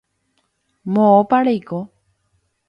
Moõpa reiko.